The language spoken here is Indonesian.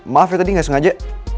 maaf ya tadi nggak sengaja